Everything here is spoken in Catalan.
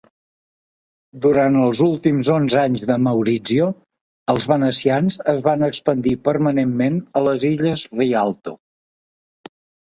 Durant els últims onze anys de Maurizio, els venecians es van expandir permanentment a les illes Rialto.